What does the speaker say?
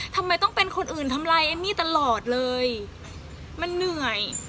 ทำไมต้องเป็นคนอื่นทำลายเอมมี่ตลอดเลยมันเหนื่อย